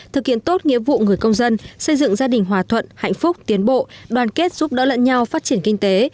thực hiện tốt nghĩa vụ người công dân xây dựng gia đình hòa thuận hạnh phúc tiến bộ đoàn kết giúp đỡ lẫn nhau phát triển kinh tế